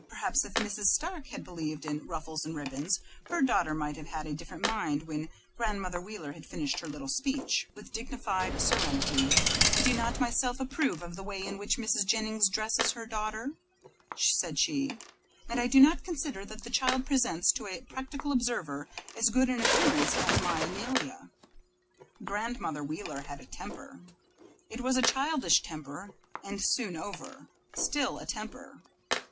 Perhaps if Mrs. Stark had believed in ruffles and ribbons, her daughter might have had a different mind when Grandmother Wheeler had finished her little speech. As it was, Mrs. Diantha surveyed her small, pretty mother in law with dignified serenity, which savored only delicately of a snub. "I do not myself approve of the way in which Mrs. Jennings dresses her daughter," said she, "and I do not consider that the child presents to a practical observer as good an appearance as my Amelia." Grandmother Wheeler had a temper. It was a childish temper and soon over still, a temper.